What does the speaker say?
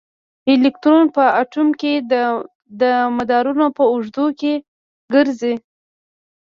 الکترون په اټوم کې د مدارونو په اوږدو کې ګرځي.